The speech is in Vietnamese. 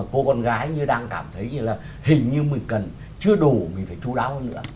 cô con gái như đang cảm thấy như là hình như mình cần chưa đủ mình phải chú đáo hơn nữa